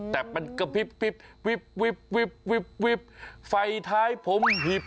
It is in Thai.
แต่มันก็วิบไฟแท้ผมหิบ